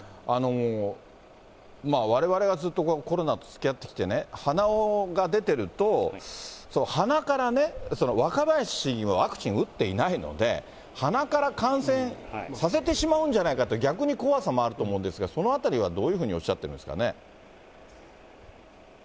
われわれがずっとコロナとつきあってきてね、鼻が出てると、鼻からね、若林市議もワクチン打っていないので、鼻から感染させてしまうんじゃないかという逆に怖さもあると思うんですが、そのあたりはどういうふうにおっしゃってるんですかね。